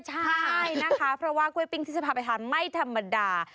ใช่นะคะเพราะว่ากล้วยปิ้งที่จะพาไปทานไม่ธรรมดา